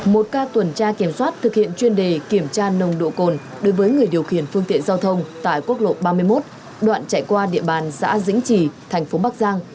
một ca tuần tra kiểm soát thực hiện chuyên đề kiểm tra nồng độ cồn đối với người điều khiển phương tiện giao thông tại quốc lộ ba mươi một đoạn chạy qua địa bàn xã dĩnh trì thành phố bắc giang